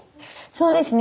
そうですね。